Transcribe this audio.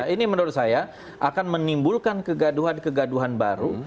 ini menurut saya akan menimbulkan kegaduhan kegaduhan baru